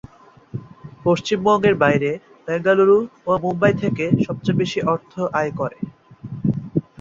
পশ্চিমবঙ্গের বাইরে বেঙ্গালুরু ও মুম্বাই থেকে সবচেয়ে বেশি আর্থ আয় করে।